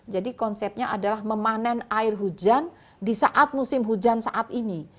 jadi konsepnya adalah memanen air hujan di saat musim hujan saat ini